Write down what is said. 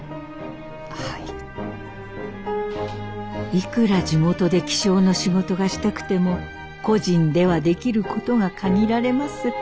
いくら地元で気象の仕事がしたくても個人ではできることが限られます。